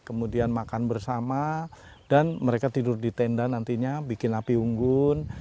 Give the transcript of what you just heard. kemudian makan bersama dan mereka tidur di tenda nantinya bikin api unggun